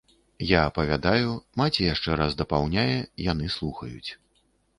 Я апавядаю, маці яшчэ раз дапаўняе, яны слухаюць.